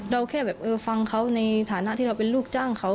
แค่แบบเออฟังเขาในฐานะที่เราเป็นลูกจ้างเขา